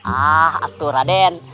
ah atuh raden